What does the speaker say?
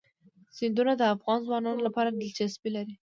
سیندونه د افغان ځوانانو لپاره دلچسپي لري.